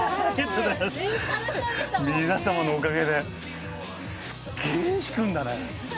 皆様のおかげでスッゲぇ引くんだね